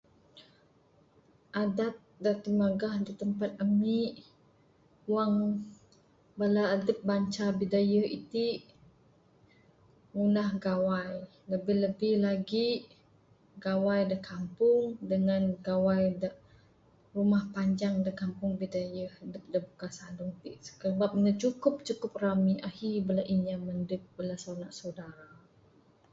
Adat da timagah da tempat ami, wang bala adup banca bidayuh iti ngunah gawai, lebih lebih lagi gawai da kampung dengan gawai da rumah panjang da kampung bidayuh adup da bukar sadong ti, sabab nuh cukup cukup rami ahi bala inya mandug bala sanak saudara